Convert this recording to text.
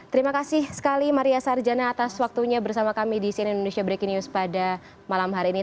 terima kasih sekali maria sarjana atas waktunya bersama kami di cnn indonesia breaking news pada malam hari ini